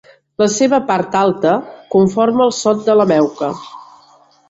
La seva part alta conforma el Sot de la Meuca.